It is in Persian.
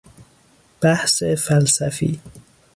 بحث فلسفی